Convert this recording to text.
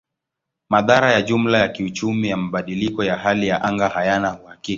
Madhara ya jumla ya kiuchumi ya mabadiliko ya hali ya anga hayana uhakika.